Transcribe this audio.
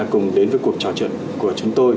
cùng đến với cuộc trò chuyện của chúng tôi